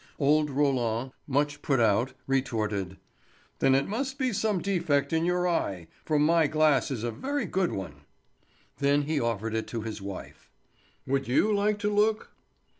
Old Roland, much put out, retorted: "Then it must be some defect in your eye, for my glass is a very good one." Then he offered it to his wife. "Would you like to look?"